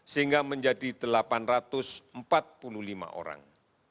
sehingga menjadi delapan ratus empat puluh lima orang